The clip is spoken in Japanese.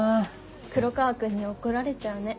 黒川くんに怒られちゃうね。